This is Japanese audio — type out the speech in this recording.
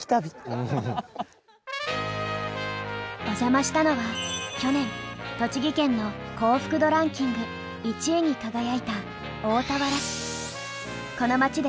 お邪魔したのは去年栃木県の幸福度ランキング１位に輝いた大田原市。